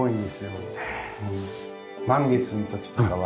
もう満月の時とかは。